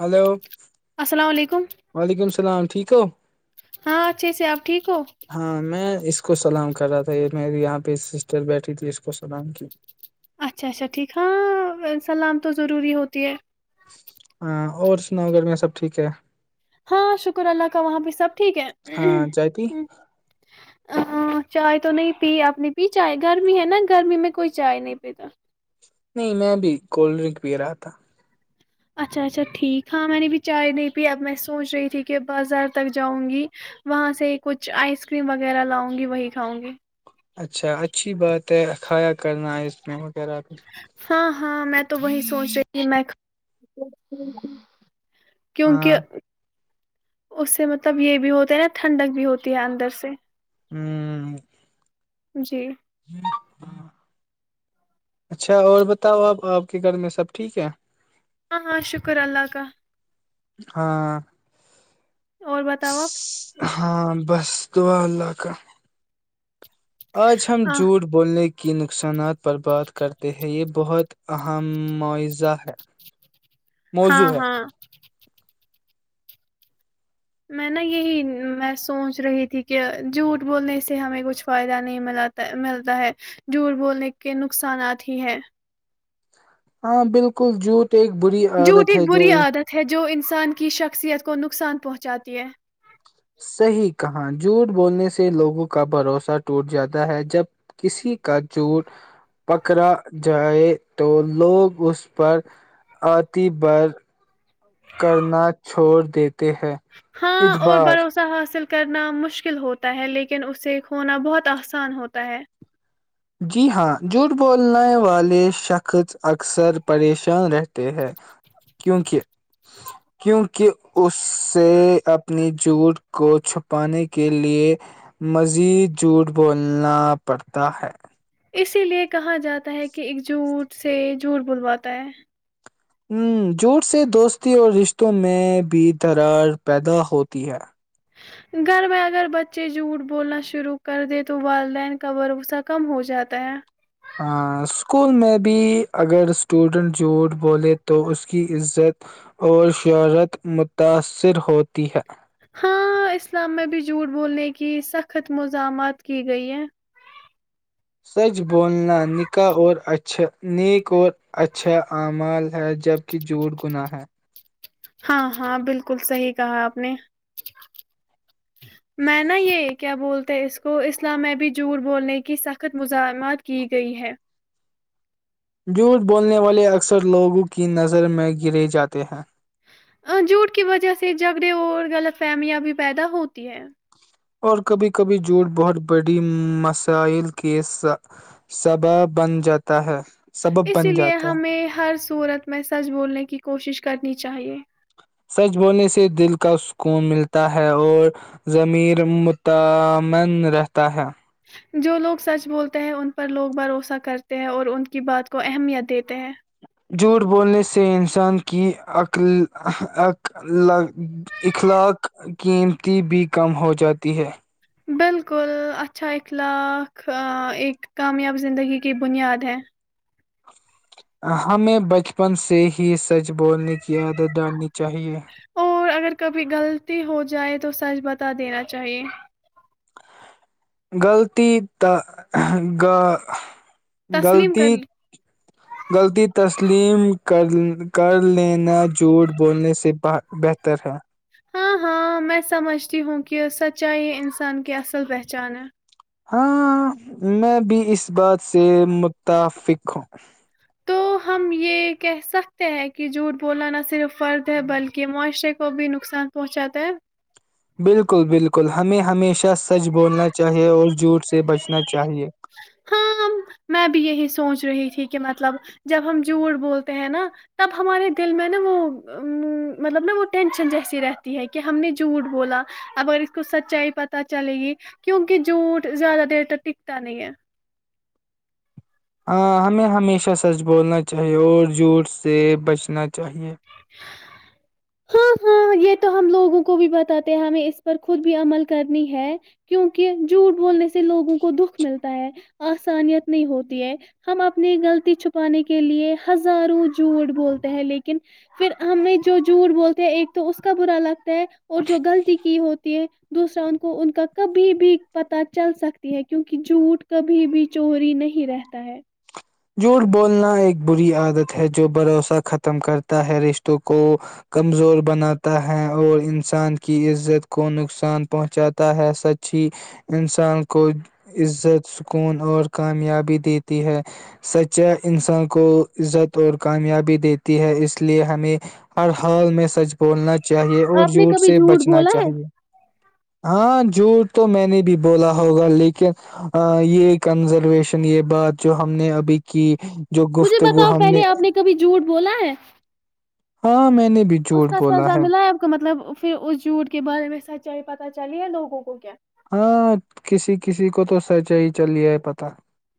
hello السلام علیکم وعلیکم السلام ٹھیک ہو ہاں اچھے سے آپ ٹھیک ہو ہاں میں اس کو سلام کر رہا تھا یہ میرری یہاں پہ سسٹر بیٹھی تھی اس کو سلام کی اچھا اچھا ٹھیک ہاں سلام تو ضروری ہوتی ہے ہاں اور سناؤ گرمیا سب ٹھیک ہے ہاں شکر اللہ کا وہاں پہ سب ٹھیک ہے ہاں چائے پی ہاہ چائے تو نہیں پی اپنی پی چائے گرمی ہے نا گرمی میں کوئی چائے نہیں پیتا نہیں میں بھی کولڈ ڈرنک پی رہا تھا اچھا اچھا ٹھیک ہاں میں نے بھی چائے نہیں پی اب میں سوچ رہی تھی کہ بازار تک جاؤں گی وہاں سے کچھ آئس کریم وغیرہ لاؤں گی وہی کھاؤں گی اچھا اچھی بات ہے ا کھایا کرنا ہے اس میں [unintelligible] ہاں ہاں میں تو وہی سوچ رہی تھی میں کیونکہ ہاں اس سے مطلب یہ بھی ہوتا ہے نا ٹھنڈک بھی ہوتی ہے اندر سے ہوں جی ہم ہم اچھا اور بتاؤ آپ آپ کے گھر میں سب ٹھیک ہے ہاں ہاں شکر اللہ کا ہاں اور بتاؤ آپ ہاں بس توا اللہ کا آج ہم آ، جھوٹ بولنے کے کے نقصانات پر بات کرتے ہیں یہ بہت اہم معوضہ ہے ہاں موضوع ہے ہاں میں نا یہی میں سوچ رہی تھی کہ جھوٹ بولنے سے ہمیں کچھ فائدہ نہیں م ملتا ہے جھوٹ بولنے کے نقصانات ہی ہیں ہاں بالکل جوت جھوٹ ایک بری عادت ہے جو انسان کی شخصیت کو نقصان پہنچاتی ہے صحیح کہاں جھوٹ بولنے سے لوگوں کا بھروسہ ٹوٹ جاتا ہے جب کسی کا جوٹ پکڑا جائے تو لوگ اس پر آتی بر کرنا چھوڑ دیتا ہاں اور بھروسہ حاصل کرنا مشکل ہوتا ہے لیکن اسے کھونا بہت آسان ہوتا ہے جی ہاں جھوٹ بولنے والے شخص اکثر پریشان رہتے ہیں کیونکہ کیونکہ اس سے اپنی جھوٹ کو چھپانے کے لیے مزید جھوٹ بولنا پڑتا ہے اسی لیے کہا جاتا ہے کہ ایک جھوٹ سے جھوٹ بلواتا ہے ہ جوٹ سے دوستی اور رشتوں میں بھی درار پیدا ہوتی ہے گھر میں اگر بچے جھوٹ بولنا شروع کر دے تو والدین کا بھروسہ کم ہو جاتا ہے ہ اسکول میں بھی اگر اسٹوڈنٹ جھوٹ بولے تو اس کی عزت اور شہرت متاثر ہوتی ہے ہاں اسلام میں بھی جھوٹ بولنے کی سخت مزامات کی گئی ہے سچ بولنا نکاح اور نیک اور اچھا اعمال ہے جبکہ جھوٹ گنااہ ہے ہاں ہاں بالکل صحیح کہا آپ نے میں نا یہ کیا بولتے ہیں اس کو اسلام میں بھی جڑ بولنے کی سخت مزاحمت کی گئی ہے جھوٹ بولنے والے اکثر لوگوں کی نظر میں گرے جاتے ہیں جھوٹ کی وجہ سے جھگڑے اور غلط فہمیاں بھی پیدا ہوتی ہے اور کبھی کبھی جھوٹ بہت بڑی مسائل کے سبا بن جاتا ہے سبب اس بن لیے جاتا ہے ہمیں ہر صورت میں سچ بولنے کی کوشش کرنی چاہیے سچ بولنے سے دل کا سکون ملتا ہے اور ضمیر متن رہتا ہے جو لوگ سچ بولتے ہیں ان پر لوگ بھروسہ کرتے ہیں اور ان کی بات کو اہمیت دیتے ہیں جھوٹ بولنے سے انسان کی اخلاق قیمتی بھی کم ہو جاتی ہے بالکل اچھا اخلاق ایک کامیاب زندگی کی بنیاد ہے ہمیں بچپن سے ہی سچ بولنے کی عادت ڈالنی چاہیے اور اگر کبھی غلطی ہو جائے تو سچ بات بتا دینا چاہیے غلطی ت گ [unintelligible] تسلیم غلطی کر لی غلطی تسلیم کر کر لینا جھوٹ بولنے سے بہتر ہے ہاں ہاں میں سمجھتی ہوں کہ سچائی یہ انسان کی اصل پہچان ہے ہاں میں بھی اس بات سے متفق ہوں تو ہم یہ کہہ سکتے ہیں کہ جھوٹ بولنا نہ صرف فرد ہے بلکہ معاشرے کو بھی نقصان پہنچاتا ہے بالکل بالکل ہمیں ہمیشہ سچ بولنا چاہیے اور جھوٹ سے بچنا چاہے ہاں میں بھی یہی سوچ رہی تھی کہ مطلب جب ہم جھوٹ بولتے ہیں نا تب ہمارے دل میں نا وہ مطلب نا وہ ٹینشن جیسی رہتی ہے کہ ہم نے جھوٹ بولا اگر اس کو سچائی پت چلے گی کیونکہ جھوٹ زیادہ دیر تک تا نہیں ہے ہاں ہمیں ہمیشہ سچ بولنا چاہیے اور جھوٹ سے بچنا چاہیے ہاں ہاں یہ تو ہم لوگوں کو بھی بتاتے ہیں ہمیں اس پر خود بھی عمل کرنی ہے کیونکہ جھوٹ بولنے سے لوگوں کو دکھ ملتا ہے آسانیت نہیں ہوتی ہے ہم اپنی غلطی چھپانے کے لیے ہزاروں جھوٹ بولتے ہیں لیکن ن پھر ہمیں جو جوٹ بولتے ہیں ایک تو اس کا برا لگ اور جو غلطی کی ہوتی ہے دوسرا ان کو ان کا کبھی بھی پت چل سکتی ہے کیونکہ جھوٹ کبھی بھی چوری نہیں رہتا ہے جوٹ بولنا ایک بری عادت ہے جو بھروسہ ختم کرتا ہے رشتوں کو کمزور بناتا ہے اور انسان کی عزت کو نقصان پہنچاتا ہے سچی انسان کو عزت سکون اور کامیابی دیتی ہے سچا انسان کو عزت اور کامیابی دیتی ہے اس لیے ہمیں ہر حال میں سچ بولنا چاہیے اور آپ نے جوٹ کبھی سے جھوٹ بچنا بولا ہے چاہیے ہاں جوٹ تو میں نے بھی بولا ہوگا لیکن یہ کنزرویشن یہ بات جو ہم نے اب بیک [unintelligible] مجھے بتاؤ پہلے آپ نے کبھی جوٹ بولا ہے ہاں میں نے بھی اس جھوٹ کا بولا سزا ملا ہے آپ کو مطلب پھر اس جوٹ کے بارے میں سچ ہے پتا چلیے لگوں کو کیا ہاں کسی کسی کو تو سچ ہی چلیا ہے پتا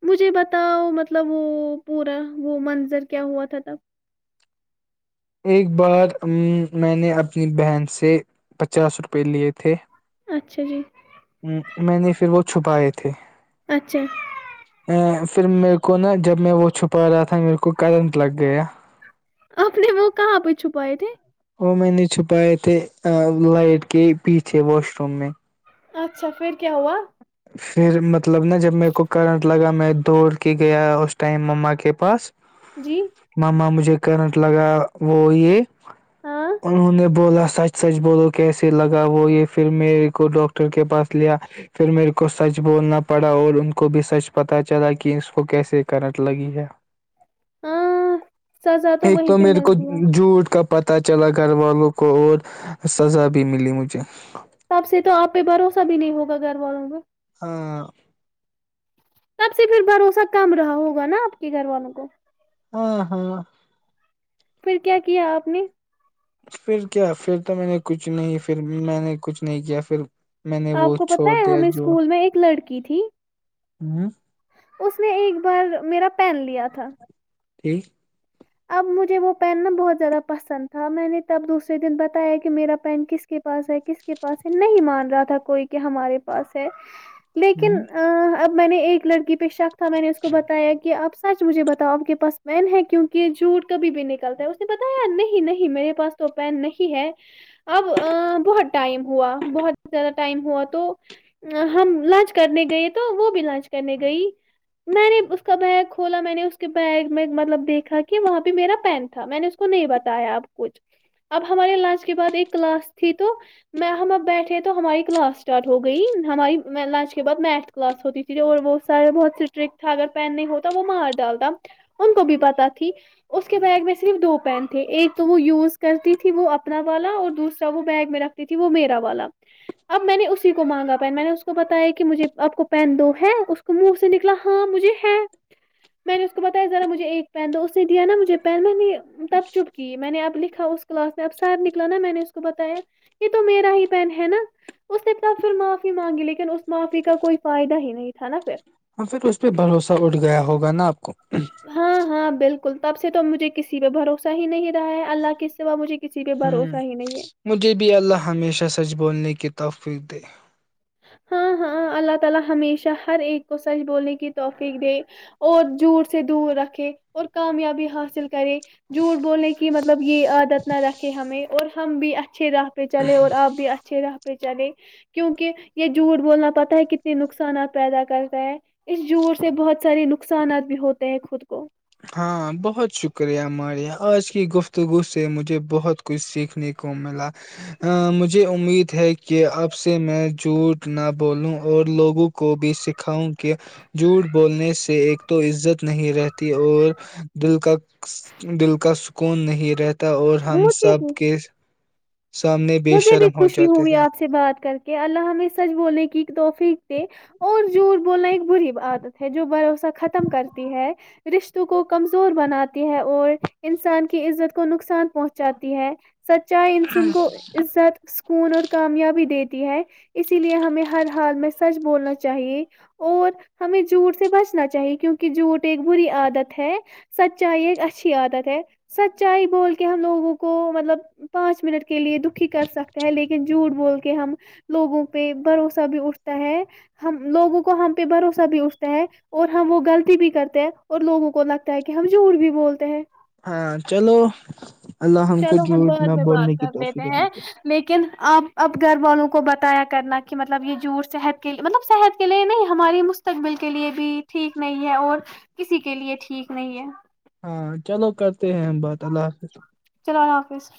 مجھے بتاؤ مطلب وہ پورا وہ منظر کیا ہوا تھا تب ایک بار میں نے اپنی بہن سے پچاس روپئے لیے تھے تھ اچھا جی میں نے پھر وہ چھپائے تھے تھے اچھا پھر میرے کو نا جب میں وہ چھپا رہا تھا میرے کو کرنٹ لگ گیا اپ نے وہ کہاں پہ چھپائے تھے وہ میں نے چھپائے تھے لائٹ کے پیچھے واش روم میں اچھا پھر کیا ہوا [unintelligible] متلب نا جب میرے کو کرنٹ لگا میں دوڑ کے گیا اس ٹائم مما کے پاس جی مما مجھے کرنٹ لگا وہ یہ ہاں انہوں نے بولا سچ سچ بولو کیسے لگا وہ یہ پھر میرے کو ڈاکٹر کے پاس لیا پھر میرے کو سچ بولنا پڑا اور ان کو بھی سچ پتہ چلا کہ اس کو کیسے کرنٹ لگی ہے ہاں سزا ایک وہیں تو پہ میرے کو ملتی ہے جوٹ کا پتہ چلا گھر والوں کو اور سزا بھی ملی مجھے ا بھی نہیں ہوگا گھر والوں کا [unintelligible] تب سے پھر بھروسہ کم رہا ہوگا نا آپ کے گھر والوں کو ہا ہا پھر کیا کیا آپ نے پھر کیا پھر تو میں نے کچھ نہیں پھر میں نے کچھ نہیں کیا پھر میں نے آپ وہ کو پت چھوڑ ہے دیا ہمیں جو اسکول میں ایک لڑکی تھی [inaudible] اس نے ایک بار میرا پین لیا تھا ٹھیک اب مجھے وہ پین نا بہت زیادہ پسند تھا میں نے تب دوسرے دن بتایا کہ میرا پین کس کے پاس ہے کس کے پاس ہے نہیں مان رہا تھا کوئی کہ ہمارے پاس ہے لیکن ہوں ا اب میں نے ایک لڑکی پہ شک تھا میں نے اس کو بتایا کہ آب سچ مجھے بتاؤ آپ کے پاس وین ہے کیوںہ کہ جھوٹ کبھی بھی نکلتا ہے اس نے بتایا ی نہیں نہیں میرے پاس تو پین نہیں ہے اب بہت ٹائم ہوا بہت زیادہ ٹائم ہوا تو ہم لانچ کرنے گئے تو وہ بھی لانچ کرنے گئی میں نے اس کا بیگ کھولا میں نے اس کے بیگ میں مطلب دیکھا کہ وہاں پہ میرا پین تھا میں نے اس کو نہیں بتایا اب کچھ اب ہمارے لنچ کے بعد ایک کلاس تھی تو میں ہم اب بیٹھے تو ہماری کلاس اسٹارٹ ہو گئی ہماری لنچ کے بعد میتھ کلاس ہوتی تھی اور وہ سار بہت اسٹرکٹ تھا اگر پین نہیں ہوتا وہ مار ڈالتا ان کو بھی پتا تھا اس کے بیگ میں صرف دو پین تھے ایک تو وہ یوز کرتی تھی وہ اپنا والا اور دوسرا وہ بیگ میں رکھتی تھی وہ میرا والا اب میں نے اسی کو مانگا پین میں نے اس کو بتایا کہ مجھے آپ کو پین دو ہے اس منہ سے نکلا ہاں مجھے ہے میں نے اس کو بتایا ذرا مجھے پین تو اس نے دیا نا مجھے پین میں نے تب چھپ کی میں نے آپ لکھ اس کلاس میں اب سر نکلا نا میں نے اس کو بتایا یہ تو میرا ہی پین ہے نا اس نے ت پھر معافی مانگی لیکن اس معافی کا کوئی فائدہ ہی نہیں تھا نا پھر ہاں پھر اس پہ بھروسہ اٹھ گیا ہوگا نا آپ کو ہاں ہاں بالکل کل تب سے تو مجھے کسی پہ بھروسہ ہی نہیں رہا ہے اللہ کے سوا مجھے کسی پہ ہوں بھروسہ ہی نہیں ہے مجھے بھی اللہ ہمیشہ سچ بولنے کی [unintelligible] [unintelligible] کریں جھوٹ بولنے کی مدد مطلب یہ عادت نہ رکھے ہمیں اور ہم بھی اچھ اچھے راہ پہ چلے اور آپ بھی اچھے راہ پہ بھیچا گے کیونکہ یہ جڑ بولنا پتتا ہے کتنے نقصانات پیدا کرتا ہے اس جڑ سے بہت سارے نقصانات بھی ہوتے ہیں خود کو ہاں بہت شکریہ ماریہ آج کی گفتگو سے مجھے بہت کچھ سیکھنے کو ملا مجھے امید ہے کہ اب سے میں جھوٹ نہ بولوں اور لوگوں کو بھی سکھاؤں کہ جھوٹ بولنے سے ایک تو عزت نہیں رہتی اور د کا دل کا سکون نہیں رہتا تو اور ہم وہ سب چیز کے سامنے بے مجھے بھی شرم ہو خوشی جاتے ہوگی ہیں آپ سے بات کر کے اللہ ہمیں سچ بولے کی ایک توحفی اور ج بولنا ایک بری عادت ہے جو بھروسہ ختم کرتی ہے رشتوں کو کمزور بناتی ہے اور انسان کی عزت کو نقصان پہنچاتی ہے سچائی ان سن کو سکون اور کامیابی دیتی ہے اسی لیے ہمیں ہر حال میں سچ بولنا چاہیے اور ہمیں جوٹ سے بچنا چاہیے کیونکہ جوٹ ایک بری عادت ہے سچائی ایک اچھی عادت ہے سچائی بول کے ہم لوگوں کو مطلب پانچ منٹ کے لیے د کر سکتا ہے لیکن جھوٹ بول کے ہم لوگوں پہ بھروسہ بھی اٹھتا ہے ہم لوگوں کو ہم پہ بھروسہ بھی اٹھتا ہے اور ہم وہ غلطی بھی کرتے ہیں اور لوگوں کو لگتا ہے کہ ہم جھوٹ بھی بولتے ہیں ہاں چلو اللہ کو چلو ہم جھوٹ بعد نہ میں بات بولنے کی کر لیتے توفیق ہیں عطا کرے لیکن آپ اب گھر والوں کو کو بتایا کرنا کہ مطلب یہ جٹ صحت کےے مطلب صحت کے لیے نہیں ہماری مستقبل کے لیے بھی ٹھیک نہیں ہے اور کسی کے لیے ٹھیک نہیں ہے ہاں چلو کرتے ہیں ہم بات اللہ حافظ چلانا آفس